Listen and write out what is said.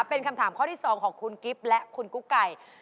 เป็นคำถามข้อที่๒ของคุณกิฟต์และคุณกุ๊กไก่